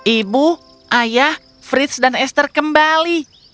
ibu ayah frits dan esther kembali